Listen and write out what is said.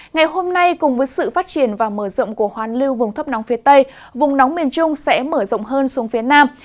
ngày hôm nay cùng với sự phát triển và mở rộng của hoàn lưu vùng thấp nóng phía tây vùng nóng miền trung sẽ mở rộng hơn xuống phía nam